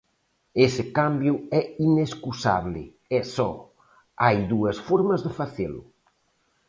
Ese cambio é inescusable, e só hai dúas formas de facelo.